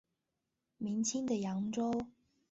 明清的扬州。